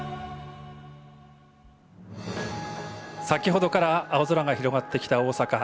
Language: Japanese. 先ほどから青空が広がってきた、大阪。